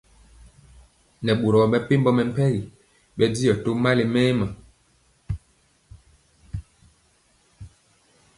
Nɛ boro mepempɔ mɛmpegi bɛndiɔ tó mali mɛma.